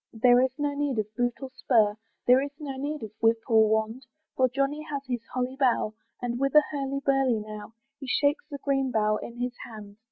There is no need of boot or spur, There is no need of whip or wand, For Johnny has his holly bough, And with a hurly burly now He shakes the green bough in his hand.